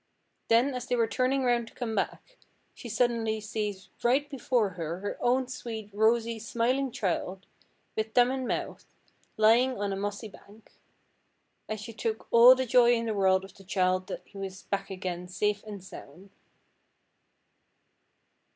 Then as they were turning round to come back, she suddenly sees right before her, her own sweet, rosy, smiling child, with thumb in mouth, lying on a mossy bank. And she took all the joy in the world of the child that he was back again safe and sound.